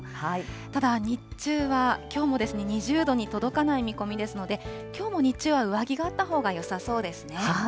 ただ、日中はきょうも２０度に届かない見込みですので、きょうも日中は上着があったほうがよさそうですね。